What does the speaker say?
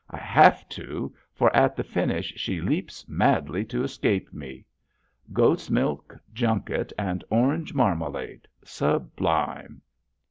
I have to, for at the finish she leaps madly to escape me. Goat's milk junket and orange marmalade; sublime!